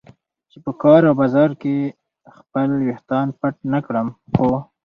چې په کار او بازار کې خپل ویښتان پټ نه کړم. په